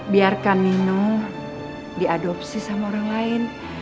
biarkan minum diadopsi sama orang lain